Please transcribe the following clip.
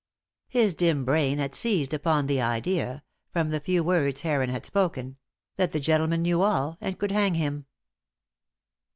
His dim brain had seized upon the idea from the few words Heron had spoken that the gentleman knew all, and could hang him.